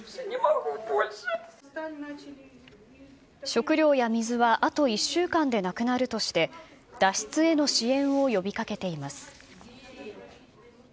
食料や水はあと１週間でなくなるとして、脱出への支援を呼びかけています。